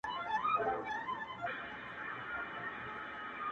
د اذادۍ نغمې به قام ته دلته چا واؽلې